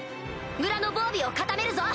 村の防備を固めるぞ！